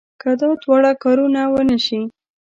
که دا دواړه کارونه ونه شي.